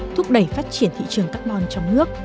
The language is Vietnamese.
thúc đẩy phát triển thị trường carbon trong nước